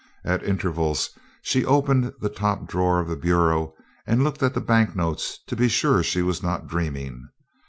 At intervals she opened the top drawer of the bureau and looked at the banknotes to be sure she was not dreaming.